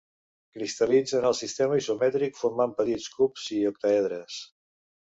Cristal·litza en el sistema isomètric formant petits cubs i octàedres.